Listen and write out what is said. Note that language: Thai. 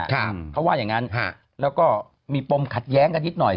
เขาว่าอย่างงั้นแล้วก็มีปมขัดแย้งกันนิดหน่อย